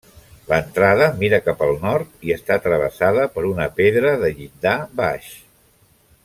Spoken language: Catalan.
L'entrada mira cap al nord i està travessada per una pedra de llindar baix.